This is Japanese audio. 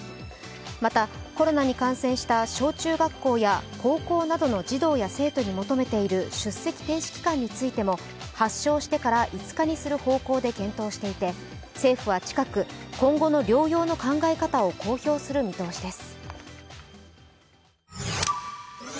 また、コロナに感染した小中学校や高校などの児童や生徒に求めている出席停止期間についても発症してから５日にする方向で検討していて政府は近く今後の療養の考え方を公表する見通しです。